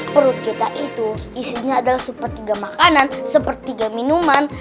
perut kita itu isinya adalah sepertiga makanan sepertiga minuman